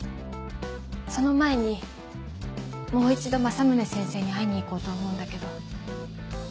その前にもう一度政宗先生に会いに行こうと思うんだけど。